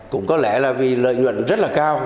cũng có lẽ là vì lợi nhuận rất là cao